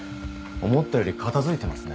思ったより片づいてますね